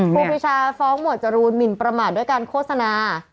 ครูปีชาฟ้องหมวดจรูนหมินประมาทด้วยการโฆษณา